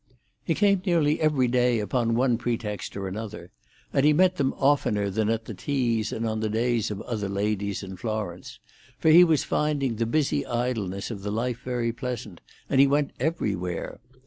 He came nearly every day, upon one pretext or another, and he met them oftener than that at the teas and on the days of other ladies in Florence; for he was finding the busy idleness of the life very pleasant, and he went everywhere.